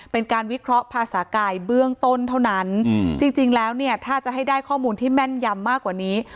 เป็นการวิเคราะห์ภาษากายเบื้องต้นเท่านั้นจริงแล้วเนี่ยถ้าจะให้ได้ข้อมูลที่แม่นยำมากกว่านี้